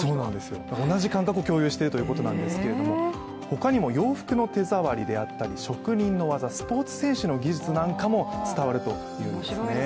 同じ感覚を共有しているということなんですが他にも洋服の手触りであったり職人の技、スポーツ選手の技術なんかも伝わるというんですね。